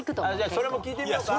それも聞いてみようか？